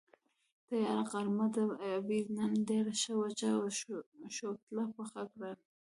تیاره غرمه ده، ابۍ نن ډېره ښه وچه شوتله پخه کړې.